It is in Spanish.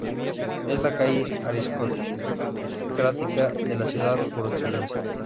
Es la calle aristocrática de la ciudad por excelencia.